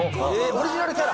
・オリジナルキャラ？